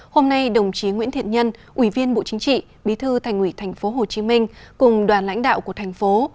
hôm nay đồng chí nguyễn thiện nhân ủy viên bộ chính trị bí thư thành ủy tp hcm cùng đoàn lãnh đạo của thành phố